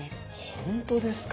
ほんとですか？